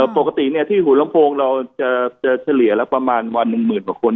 ปกติที่หัวลำโพงเราจะเฉลี่ยละประมาณวันหนึ่งหมื่นกว่าคน